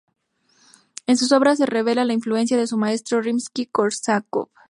En sus obras, se revela la influencia de su maestro Rimsky-Korsakov.